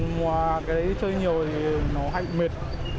mà cái đấy chơi nhiều thì nó hãy mệt